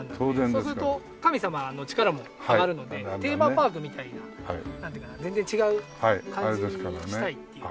そうすると神様の力も上がるのでテーマパークみたいな。なんていうかな全然違う感じにしたいっていう。